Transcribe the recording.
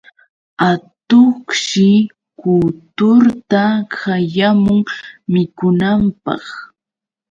Atuqshi kuturta qayamun mikunanpaq.